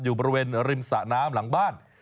อยู่บริเวณริมสะน้ำหลังบ้าน